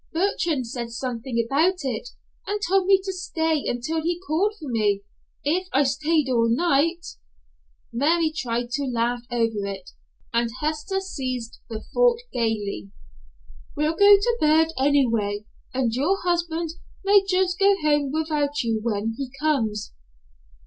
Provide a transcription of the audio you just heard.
Bertrand said something about it, and told me to stay until he called for me, if I stayed all night." Mary tried to laugh over it, and Hester seized the thought gayly. "We'll go to bed, anyway, and your husband may just go home without you when he comes."